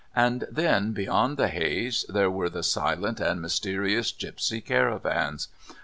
And then, beyond the haze, there were the silent and mysterious gipsy caravans.